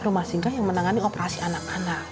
rumah singgah yang menangani operasi anak anak